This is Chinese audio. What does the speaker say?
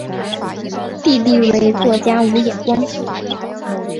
弟弟为作家武野光。